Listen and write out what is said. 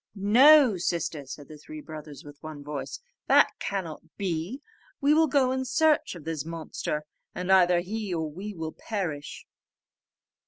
"No, sister," said the three brothers with one voice, "that cannot be; we will go in search of this monster, and either he or we will perish."